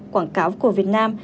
quảng cáo của việt nam